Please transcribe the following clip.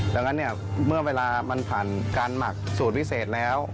ดังนั้นเนี่ยเมื่อเวลามันผ่านการหมักสูตรพิเศษแล้ว